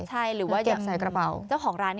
ใช่หรือว่าเก็บใส่กระเป๋า